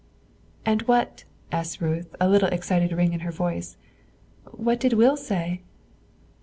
"And what," asked Ruth, a little excited ring in her voice, "what did Will say?"